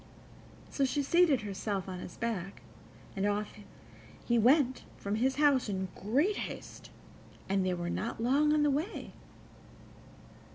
So she seated herself on his back, and off he went from his house in great haste, and they were not long on the way.